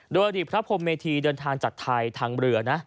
โดยอดีตพระพรมเมธีเดินทางจากไทยทางเรือนะ